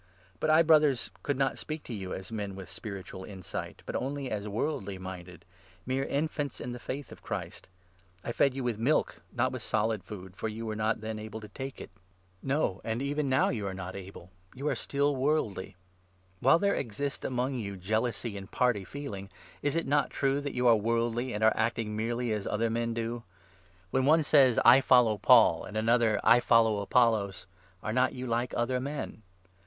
But I, Brothers, could not speak to you as men with spiritual i 3 insight, but only as worldly minded — mere infants in the Faith of Christ. I fed you with milk, not with solid food, for you 2 were not then able to take it. 9 Isa. 64. 4. 16 Isa. 40. 13. 312 I. CORINTHIANS, 3 4. No, and even now you are not able ; you are 3 Politio'n'and stiW worldly. While there exist among you work of the jealousy and party feeling, is it not true that you Apostles. are Worldly, and are acting merely as other men do? When one says 'I follow Paul,' and another 'I 4 follow Apollos,' are not you like other men